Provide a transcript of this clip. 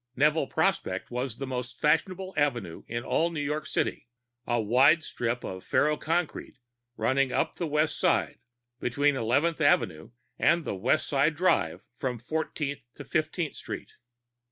Neville Prospect was the most fashionable avenue in all of New York City, a wide strip of ferroconcrete running up the West Side between Eleventh Avenue and the West Side Drive from Fortieth to Fiftieth Street.